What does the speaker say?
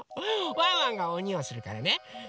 ワンワンがおにをするからねだから。